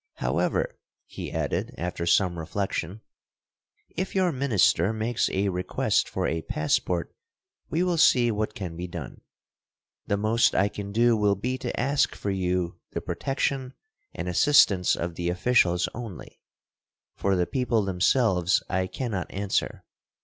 However," he added, after some reflection, "if your minister makes a request for a passport we will see what can be done. The most I can do will be to ask for you the protection and assistance of the officials only; for the people themselves I cannot answer.